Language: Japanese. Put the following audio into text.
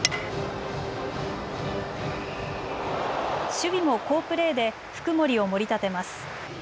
守備も好プレーで福盛をもり立てます。